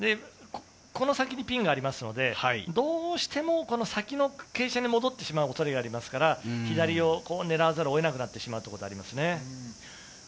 この先にピンがあるので、どうしても先の傾斜に戻ってしまう恐れがありますから、左を狙わざるをえなくなってしまうと思いますね。